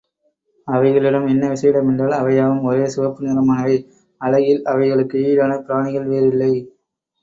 அவைகளிடம் என்ன விசேடம் என்றால், அவை யாவும் ஒரே சிவப்பு நிறமானவை, அழகில் அவைகளுக்கு ஈடான பிராணிகள் வேறில்லை.